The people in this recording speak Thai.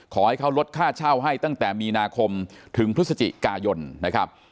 ขอให้เขาลดค่าเช่าให้ตั้งแต่มีนาคมถึงพฤศจิกายนนะครับ